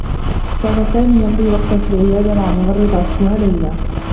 كان سامي يمضي وقتا في العيادة مع ممرّضة اسمها ليلى.